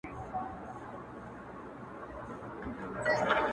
و تاته چا زما غلط تعريف کړی و خدايه ـ